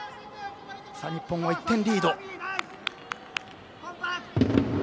日本は１点リード。